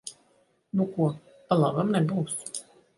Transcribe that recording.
Nu ko, pa labam nebūs.